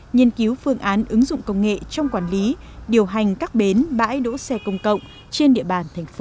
nghiên cứu phương án ứng dụng công nghệ trong quản lý điều hành các bến bãi đỗ xe công cộng trên địa bàn thành phố